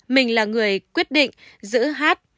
mình là người quyết định giữ hát